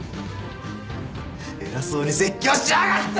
偉そうに説教しやがって！